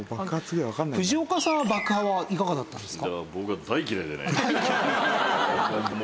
藤岡さんは爆破はいかがだったんですか？